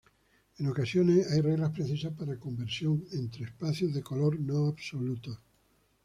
En ocasiones, hay reglas precisas para conversión entre espacios de color no absolutos.